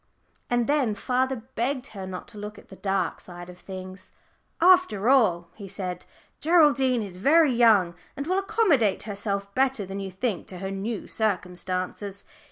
And then father begged her not to look at the dark side of things. "After all," he said, "Geraldine is very young, and will accommodate herself better than you think to her new circumstances.